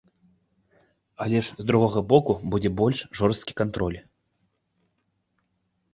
Але ж з другога боку, будзе больш жорсткі кантроль.